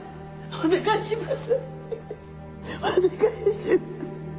お願いします